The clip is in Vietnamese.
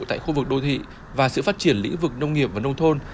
tại khu vực đô thị và sự phát triển lĩnh vực nông nghiệp và nông thôn